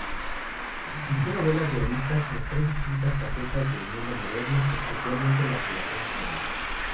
Escribió novelas realistas, mostró distintas facetas del mundo moderno especialmente las relaciones humanas.